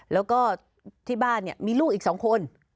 แล้วก็ที่บ้านเนี่ยมีลูกอีก๒คน